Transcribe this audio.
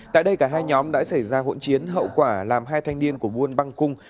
tại đây cả hai nhóm đã xảy ra hỗn chiến hậu quả làm hai thanh niên của buôn băng cung